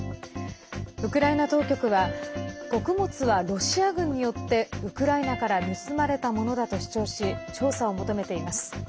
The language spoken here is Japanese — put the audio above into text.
ウクライナ当局は穀物はロシア軍によってウクライナから盗まれたものだと主張し調査を求めています。